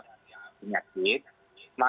atau agen penyakit itu